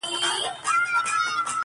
دا له ازله له انسان سره پیدا شوي دي